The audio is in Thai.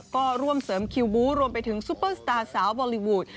ก็ร่วมเสริมคิวบู๊รวมไปถึงซุปเปอร์สตาร์สาวบอลลีวูด